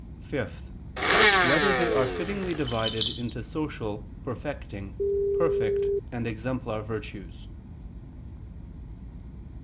(5) Whether they are fittingly divided into social, perfecting, perfect, and exemplar virtues?